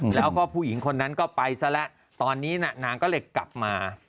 แล้วก็ผู้หญิงคนนั้นก็ไปซะแล้วตอนนี้นางก็เลยกลับมา